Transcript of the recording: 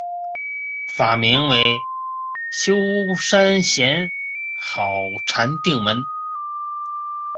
法名为休山贤好禅定门。